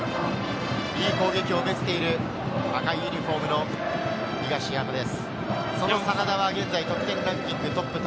いい攻撃を見せている、赤いユニホームの東山です。